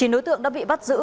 chín đối tượng đã bị bắt giữ